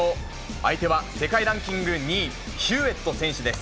相手は世界ランキング２位、ヒューエット選手です。